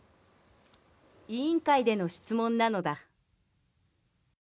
委員会での質問なのだ。